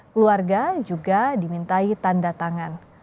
keluarga juga dimintai tanda tangan